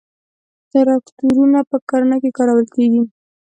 تراکتورونه په کرنه کې کارول کیږي.